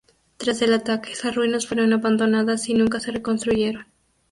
Tras el ataque, las ruinas fueron abandonadas y nunca se reconstruyeron.